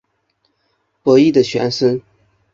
伯益的玄孙。